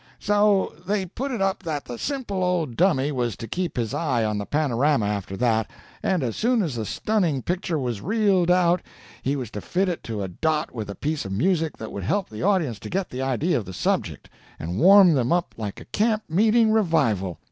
"So they put it up that the simple old dummy was to keep his eye on the panorama after that, and as soon as a stunning picture was reeled out he was to fit it to a dot with a piece of music that would help the audience to get the idea of the subject, and warm them up like a camp meeting revival.